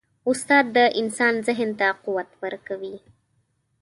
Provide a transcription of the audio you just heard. استاد د انسان ذهن ته قوت ورکوي.